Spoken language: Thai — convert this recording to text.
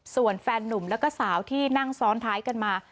ส่วนแฟนนุ่มแล้วก็สาวที่นั่งซ้อนท้ายกันมา